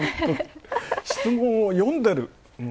質問を読んでる。